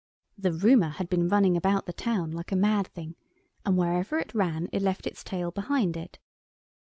The Rumour had been running about the town like a mad thing, and wherever it ran it left its tail behind it.